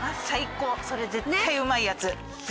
最高それ絶対うまいやつ。